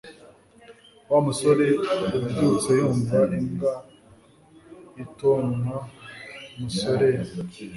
Wa musore yabyutse yumva imbwa itonwa musorea